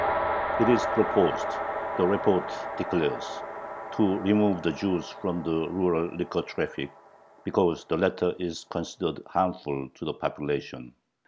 It is proposed the report declares to remove the Jews from the rural liquor traffic, because the latter is considered harmful to the population.